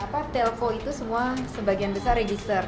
kalau yang telco itu semua sebagian besar register